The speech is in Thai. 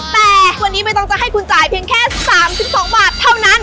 แต่วันนี้ไม่ต้องจะให้คุณจ่ายเพียงแค่๓๒บาทเท่านั้น